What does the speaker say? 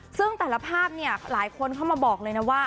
ซึ่งแต่ละภาพเนี่ยหลายคนเข้ามาบอกเลยนะว่า